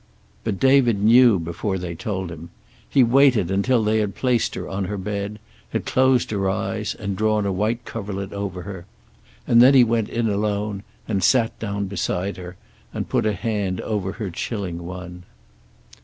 But David knew before they told him. He waited until they had placed her on her bed, had closed her eyes and drawn a white coverlet over her, and then he went in alone, and sat down beside her, and put a hand over her chilling one.